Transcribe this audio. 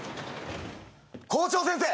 ・校長先生！